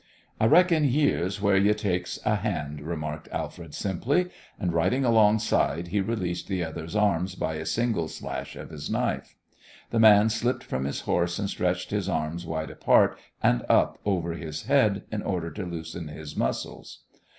"I reckon yere's where you takes a hand," remarked Alfred simply, and, riding alongside, he released the other's arms by a single slash of his knife. The man slipped from his horse and stretched his arms wide apart and up over his head in order to loosen his muscles.